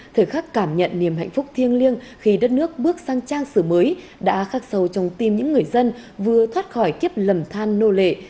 thời khắc cảm nhận niềm hạnh phúc thiêng liêng khi đất nước bước sang trang sử mới đã khắc sâu trong tim những người dân vừa thoát khỏi kiếp lầm than nô lệ